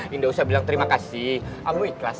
tidak usah bilang terima kasih kamu ikhlas